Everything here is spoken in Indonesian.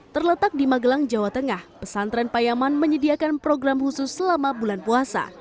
terletak di magelang jawa tengah pesantren payaman menyediakan program khusus selama bulan puasa